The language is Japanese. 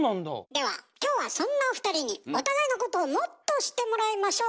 では今日はそんなお二人にお互いのことをもっと知ってもらいましょう。